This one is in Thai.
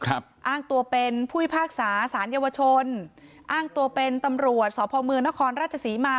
อ้างตัวเป็นผู้ยภาคศาสตร์สารเยาวชนอ้างตัวเป็นตำรวจสอบภาคเมืองนครราชศรีมา